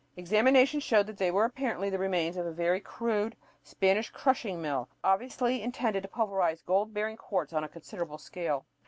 Examination showed that they were apparently the remains of a very crude Spanish crushing mill, obviously intended to pulverize gold bearing quartz on a considerable scale.